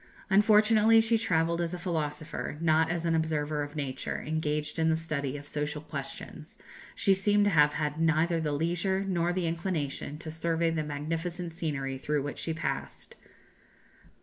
Unfortunately she travelled as a philosopher, not as an observer of nature; engaged in the study of social questions, she seems to have had neither the leisure nor the inclination to survey the magnificent scenery through which she passed.